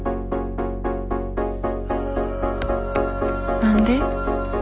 何で？